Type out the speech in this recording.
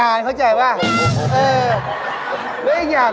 อะไรเดี๋ยว